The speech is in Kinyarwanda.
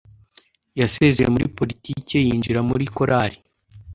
Yasezeye muri politiki yinjira muri korari.